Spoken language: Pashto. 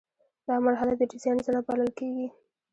دا مرحله د ډیزاین زړه بلل کیږي.